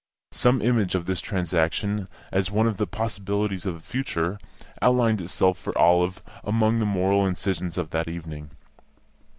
Some image of this transaction, as one of the possibilities of the future, outlined itself for Olive among the moral incisions of that evening.